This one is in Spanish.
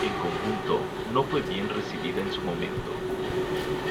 En conjunto, no fue bien recibida en su momento.